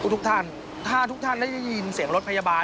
ทุกท่านถ้าทุกท่านได้ยินเสียงรถพยาบาล